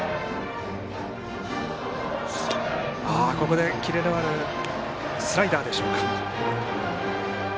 ここで、キレのあるスライダーでしょうか。